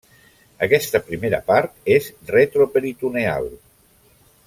Aquesta primera part és retroperitoneal.